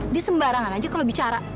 di sembarangan aja kalau bicara